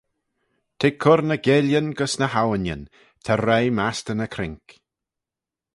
T'eh cur ny geillyn gys ny awinyn: ta roie mastey ny croink.